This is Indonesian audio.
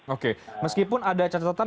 oke meskipun ada catatan